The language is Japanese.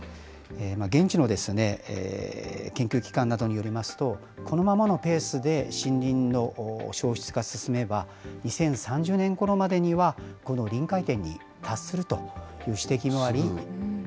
現地の研究機関などによりますと、このままのペースで森林の消失が進めば、２０３０年ごろまでにはこの臨界点に達するという指摘もあり。